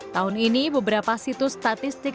tahun ini beberapa situs statistik